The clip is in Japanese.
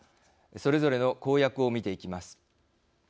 それぞれの公約を見ていきます。